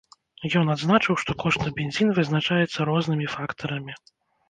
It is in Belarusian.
Ён адзначыў, што кошт на бензін вызначаецца рознымі фактарамі.